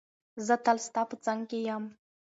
زه تل ستا په څنګ کې یم.